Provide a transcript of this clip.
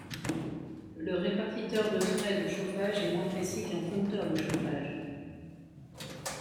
Le répartiteur de frais de chauffage est moins précis qu'un compteur de chauffage.